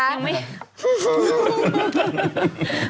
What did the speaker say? ปีจิตใช่ไหม